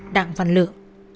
đặng văn lựa